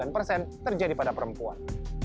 empat puluh sembilan persen terjadi pada perempuan